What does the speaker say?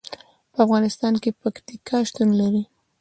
په افغانستان کې پکتیکا شتون لري.